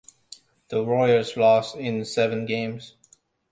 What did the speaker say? The Warriors lost in seven games.